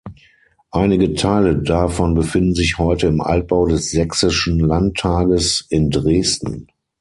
Einige Teile davon befinden sich heute im Altbau des Sächsischen Landtages in Dresden.